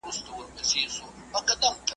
که سهار وو که ماښام جګړه توده وه .